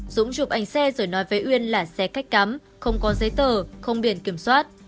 dũng chụp ảnh xe rồi nói với uyên là xe cách cắm không có giấy tờ không biển kiểm soát